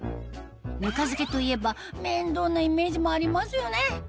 ぬか漬けといえば面倒なイメージもありますよね